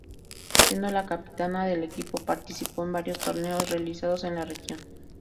Siendo la capitana del equipo participó en varios torneos realizados en la Región.